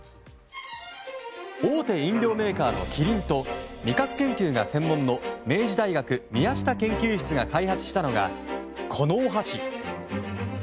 大手飲料メーカーのキリンと味覚研究が専門の明治大学、宮下研究室が開発したのがこのお箸。